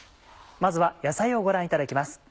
まずは野菜をご覧いただきます。